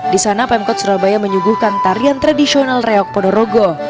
di sana pemkot surabaya menyuguhkan tarian tradisional reok ponorogo